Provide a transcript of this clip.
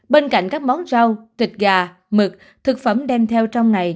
bên cạnh các món rau thịt gà mực thực phẩm đem theo trong ngày